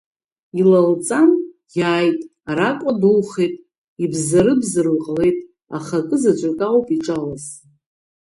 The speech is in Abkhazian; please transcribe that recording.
Илалҵан, иааит, аракәа духеит, ибзары-бзаруа иҟалеит, аха акы заҵәык ауп иҿалаз.